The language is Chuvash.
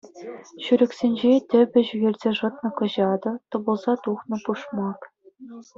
Ҫӳлӗксенче тӗпӗ ҫӳхелсе шӑтнӑ кӑҫатӑ, тӑпӑлса тухнӑ пушмак...